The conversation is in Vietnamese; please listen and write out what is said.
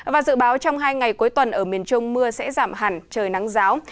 và dự báo trong hai ngày cuối tuần ở miền trung mưa sẽ giảm hẳn trời nắng giáo